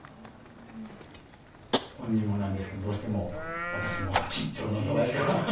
本人もなんですけどどうしても私も緊張の度合いが。